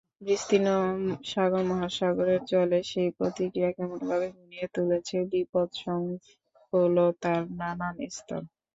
বিস্তীর্ণ সাগর-মহাসাগরের জলে সেই প্রতিক্রিয়া কেমনভাবে ঘনিয়ে তুলেছে বিপদসংকুলতার নানান স্তর।